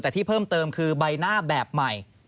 แต่ที่เพิ่มเติมคือใบหน้าแบบใหม่